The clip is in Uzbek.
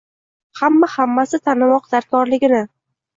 – hamma-hammasi tanitmoq darkorligini